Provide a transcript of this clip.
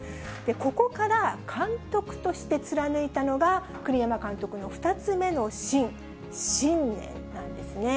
ここから監督として貫いたのが、栗山監督の２つ目の信、信念なんですね。